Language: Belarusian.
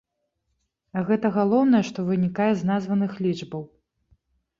А гэта галоўнае, што вынікае з названых лічбаў.